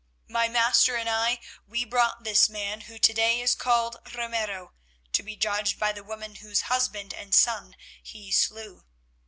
"My master and I, we brought this man, who to day is called Ramiro, to be judged by the woman whose husband and son he slew.